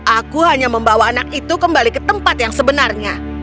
aku hanya membawa anak itu kembali ke tempat yang sebenarnya